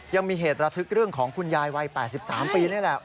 ยังมีเหตุระทึกเรื่องของคุณยายวัย๘๓ปีนี่แหละ